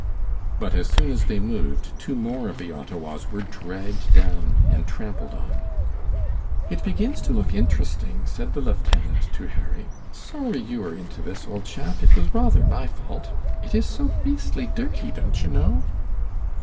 But as soon as they moved two more of the Ottawas were dragged down and trampled on. "It begins to look interesting," said the lieutenant to Harry. "Sorry you are into this, old chap. It was rather my fault. It is so beastly dirty, don't you know."